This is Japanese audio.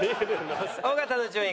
尾形の順位